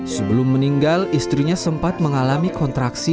sebelum meninggal istrinya sempat mengalami kontraksi